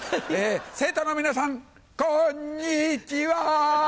生徒の皆さんこんにちは！